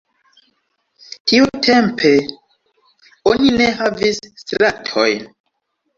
Tiu tempe, oni ne havis stratojn.